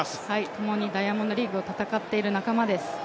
ともにダイヤモンドリーグを戦っている仲間です。